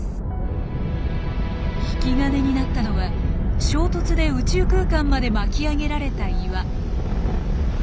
引き金になったのは衝突で宇宙空間まで巻き上げられた岩。